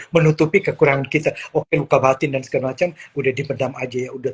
menutupi kekurangan kita oke luka batin dan segala macem udah di pedam aja udah